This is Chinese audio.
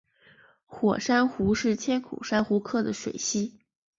火珊瑚是千孔珊瑚科的水螅。